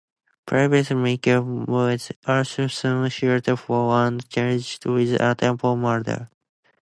Private Mikel was arrested soon thereafter and charged with attempted murder.